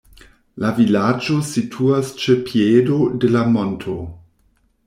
La vilaĝo situas ĉe piedo de la monto.